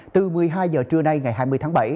từ một mươi hai h trưa nay ngày hai mươi tháng bảy